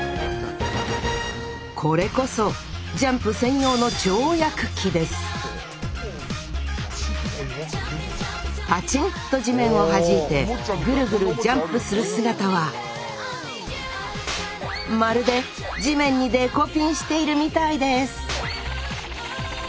これこそジャンプ専用のパチンと地面をはじいてぐるぐるジャンプする姿はまるで地面にデコピンしているみたいです